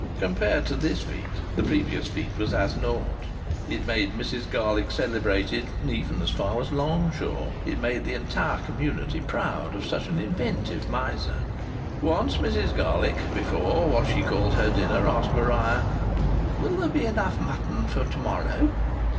Compared to this feat the previous feat was as naught. It made Mrs Garlick celebrated even as far as Longshaw. It made the entire community proud of such an inventive miser. Once Mrs Garlick, before what she called her dinner, asked Maria, "Will there be enough mutton for to morrow?"